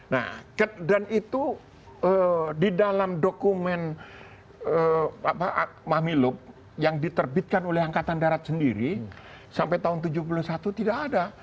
nah dan itu di dalam dokumen mahmilub yang diterbitkan oleh angkatan darat sendiri sampai tahun seribu sembilan ratus tujuh puluh satu tidak ada